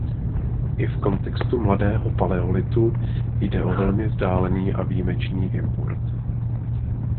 I v kontextu mladého paleolitu jde o velmi vzdálený a výjimečný import.